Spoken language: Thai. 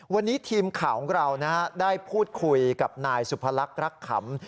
วันนี้ทีมข่าวของเราได้พูดคุยกับนายสุภลักษณ์รักขำ